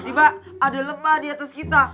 tiba ada lemah di atas kita